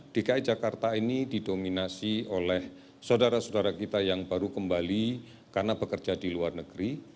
dki jakarta ini didominasi oleh saudara saudara kita yang baru kembali karena bekerja di luar negeri